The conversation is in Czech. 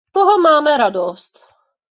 A z toho máme radost.